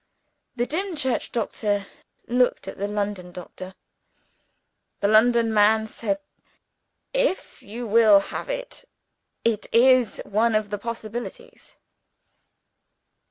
The Dimchurch doctor looked at the London doctor. The London man said, 'If you will have it, it is one of the possibilities.'